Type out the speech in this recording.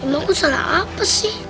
emang aku salah apa sih